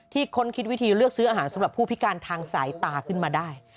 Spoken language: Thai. ค้นคิดวิธีเลือกซื้ออาหารสำหรับผู้พิการทางสายตาขึ้นมาได้